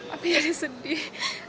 api jadi sedih